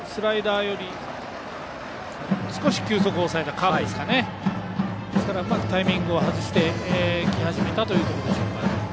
今のは、スライダーより少し球速を抑えたカーブでしたからうまくタイミングを外してきたということですね。